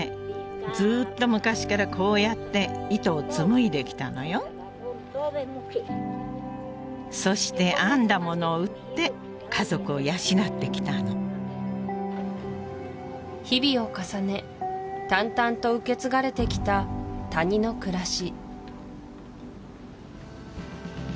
ずーっと昔からこうやって糸をつむいできたのよそして編んだものを売って家族を養ってきたの日々を重ね淡々と受け継がれてきた谷の暮らし